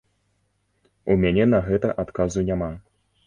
У мяне на гэта адказу няма.